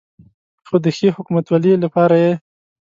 خو د ښې حکومتولې لپاره یې